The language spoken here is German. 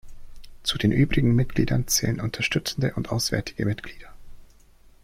Zu den übrigen Mitgliedern zählen unterstützende und auswärtige Mitglieder.